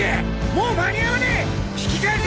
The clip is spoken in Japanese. もう間に合わねえ！